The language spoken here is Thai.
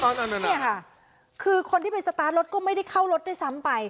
นี่ค่ะคือคนที่ไปสตาร์ทรถก็ไม่ได้เข้ารถด้วยซ้ำไป